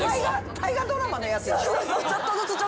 大河ドラマのやつでしょ？